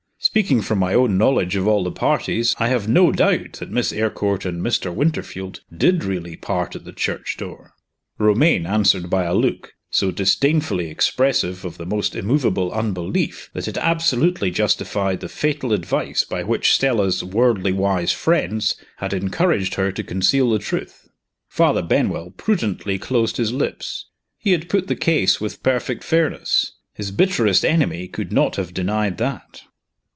Speaking from my own knowledge of all the parties, I have no doubt that Miss Eyrecourt and Mr. Winterfield did really part at the church door." Romayne answered by a look so disdainfully expressive of the most immovable unbelief that it absolutely justified the fatal advice by which Stella's worldly wise friends had encouraged her to conceal the truth. Father Benwell prudently closed his lips. He had put the case with perfect fairness his bitterest enemy could not have denied that.